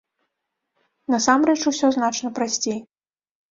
Насамрэч, усё значна прасцей.